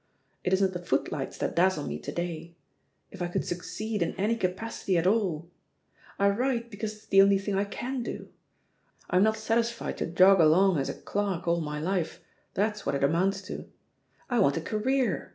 It isn't the footlights that dazzle me to day. If I could succeed in any capacity at alll — ^I write because it's the caily thing I can do; I'm not satisfied to jog along as a clerk all my life, that's what it amounts to. I want a career.